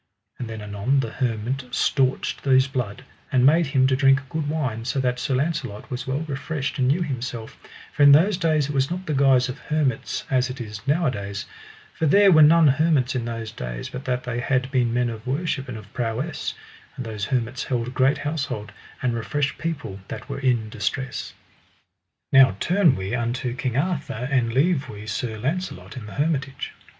And then anon the hermit staunched his blood, and made him to drink good wine, so that Sir Launcelot was well refreshed and knew himself; for in those days it was not the guise of hermits as is nowadays, for there were none hermits in those days but that they had been men of worship and of prowess; and those hermits held great household, and refreshed people that were in distress. Now turn we unto King Arthur, and leave we Sir Launcelot in the hermitage.